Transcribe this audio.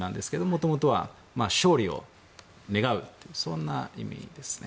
もともとは勝利を願うというそんな意味ですね。